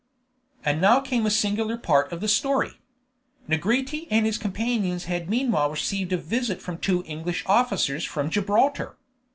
And now came a singular part of the story. Negrete and his companions had meanwhile received a visit from two English officers from Gibraltar.